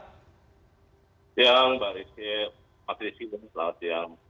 siang pak rizky pak rizky selamat siang